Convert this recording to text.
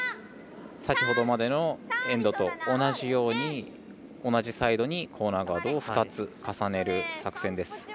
先ほどまでのエンドと同じように同じサイドにコーナーガードを２つ重ねる作戦です。